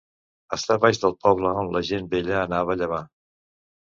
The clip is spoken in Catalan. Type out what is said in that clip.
Està baix del poble on la gent vella anava a llavar.